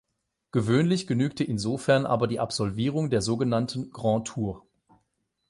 Gewöhnlich genügte insofern aber die Absolvierung der sogenannten Grand Tour.